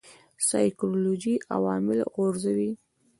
سایکولوژیکي عوامل غورځوي.